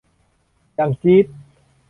อย่างจี๊ด